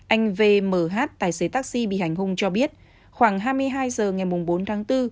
anh v m h tài xế taxi bị hành hung cho biết khoảng hai mươi hai h ngày bốn tháng bốn